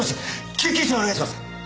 救急車お願いします。